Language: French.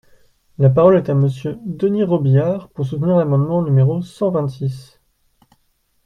La parole est à Monsieur Denys Robiliard, pour soutenir l’amendement numéro cent vingt-six.